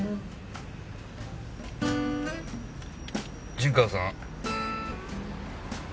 陣川さん？